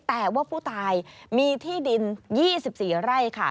แต่ว่าผู้ตายมีที่ดิน๒๔ไร่ค่ะ